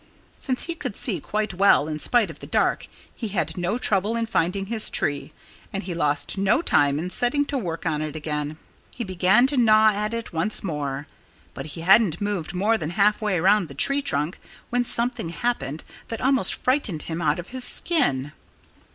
Since he could see quite well in spite of the dark he had no trouble in finding his tree. And he lost no time in setting to work on it again. He began to gnaw at it once more. But he hadn't moved more than half way around the tree trunk when something happened that almost frightened him out of his skin.